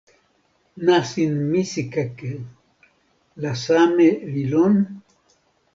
nasin misikeke la seme li lon?